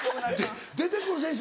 出てくる選手